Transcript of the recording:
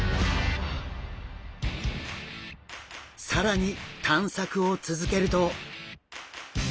更に探索を続けると。